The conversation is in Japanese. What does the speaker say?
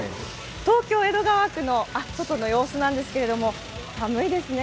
東京・江戸川区の外の様子なんですけれども寒いですね。